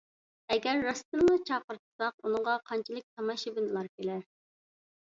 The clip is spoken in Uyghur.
ئەگەر راستتىنلا چاقىرتساق، ئۇنىڭغا قانچىلىك تاماشىبىنلار كېلەر؟